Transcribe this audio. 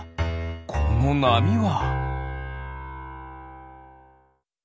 このなみは？